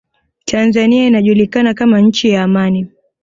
tanzania inajulikana kama nchi ya amani